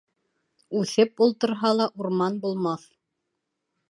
Үҫеп ултырһа ла урман булмаҫ.